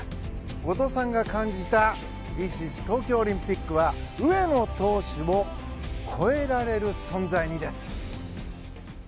後藤さんが感じた「Ｔｈｉｓｉｓ東京オリンピック」は上野投手を超えられる存在にです。